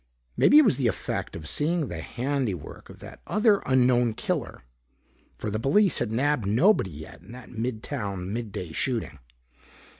Maybe it was the effect of seeing the handiwork of that other unknown killer. For the police had nabbed nobody yet in that mid town mid day shooting.